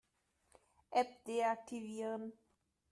App deaktivieren.